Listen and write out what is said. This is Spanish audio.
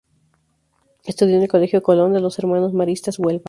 Estudió en el Colegio Colón, de los Hermanos Maristas, Huelva.